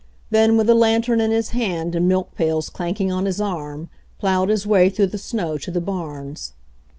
Then, with a lantern in his hand and milk pails clanking on his arm, plowed his way through the snow to the barns.